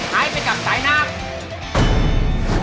ให้ไปกับสายนัก